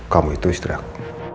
kamu itu istri aku